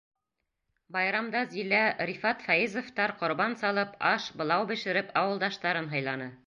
Байрамда Зилә, Рифат Фәйезовтар ҡорбан салып, аш, былау бешереп, ауылдаштарын һыйланы.